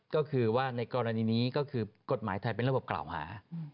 ก็คือว่าในกรณีนี้ก็คือกฎหมายไทยเป็นระบบกล่าวหา